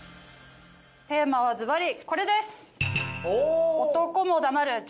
テーマはズバリこれです。